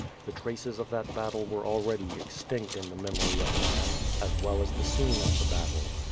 The traces of that battle were already extinct in the memory of man, as well as the scene of the battle.